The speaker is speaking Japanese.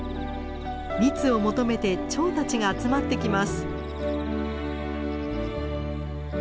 蜜を求めてチョウたちが集まってきます。